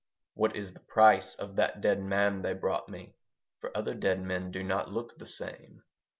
What is the price of that dead man they brought me? For other dead men do not look the same.